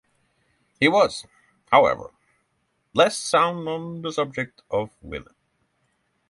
He was, however, less sound on the subject of women.